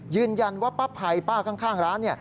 ยืนยันว่าป้าภัยป้าข้างร้าน